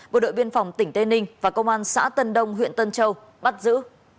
bộ đội biên phòng tỉnh tây ninh và công an xã tân đông huyện tân châu bắt giữ